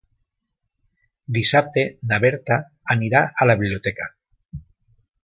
Dissabte na Berta anirà a la biblioteca.